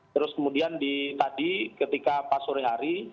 terus kemudian di tadi ketika pas sore hari